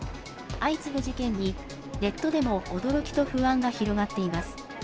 相次ぐ事件に、ネットでも驚きと不安が広がっています。